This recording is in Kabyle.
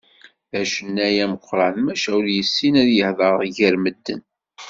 D acennay ameqqran, maca ur yessin ad yehder gar medden.